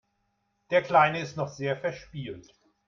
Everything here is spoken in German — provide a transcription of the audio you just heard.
Der Kleine ist noch sehr verspielt.